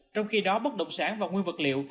trong khi đó bất động sản và nguyên vật liệu